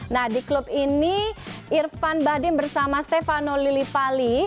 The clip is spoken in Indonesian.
nah di klub ini irfan bahdim bersama stefano lilipali